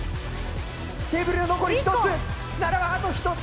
テーブルは残り１つ！